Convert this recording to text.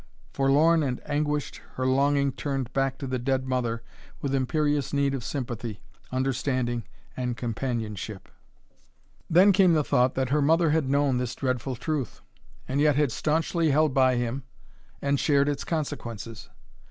Forlorn and anguished, her longing turned back to the dead mother with imperious need of sympathy, understanding, and companionship. Then came the thought that her mother had known this dreadful truth, and yet had stanchly held by him and shared its consequences.